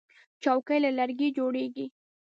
چوکۍ له لرګي جوړیږي.